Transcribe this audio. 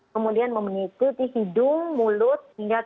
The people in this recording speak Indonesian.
kemudian mengikuti hidung mulut hingga tubuh